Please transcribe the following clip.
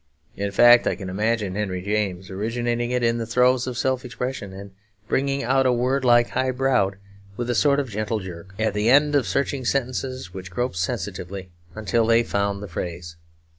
In fact, I can imagine Henry James originating it in the throes of self expression, and bringing out a word like 'high browed,' with a sort of gentle jerk, at the end of searching sentences which groped sensitively until they found the phrase.